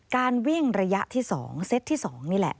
การวิ่งระยะที่๒เซตที่๒นี่แหละ